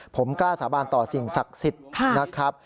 ผมกล้าสาบานต่อสิ่งศักดิ์สิทธิ์นะครับ